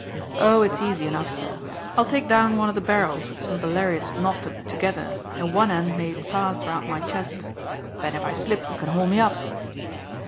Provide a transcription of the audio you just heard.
Oh, it's easy enough, sir. I'll take down one of the barrels with some of the lariats knotted together and one end made fast round my chest. Then if I slip you can haul me up."